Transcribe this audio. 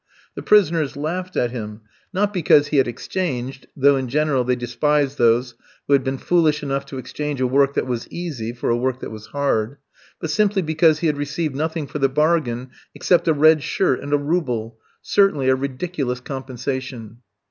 The prisoners laughed at him, not because he had exchanged though in general they despised those who had been foolish enough to exchange a work that was easy for a work that was hard but simply because he had received nothing for the bargain except a red shirt and a rouble certainly a ridiculous compensation.